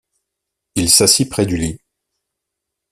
Il s’assit près du lit.